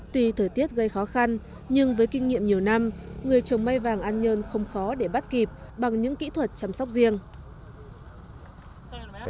tuy thời tiết gây khó khăn nhưng với kinh nghiệm nhiều năm người trồng may vàng an nhơn không khó để bắt kịp bằng những kỹ thuật chăm sóc riêng